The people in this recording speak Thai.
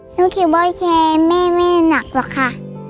หนูคิดว่าแม่ไม่น่าหนักหรอกค่ะ